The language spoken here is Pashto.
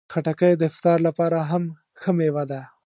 خټکی د افطار لپاره هم ښه مېوه ده.